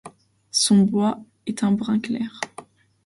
Son bois est brun clair.